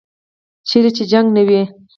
چیرې چې جنګ نه وي.